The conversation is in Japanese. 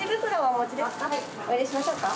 お入れしましょうか？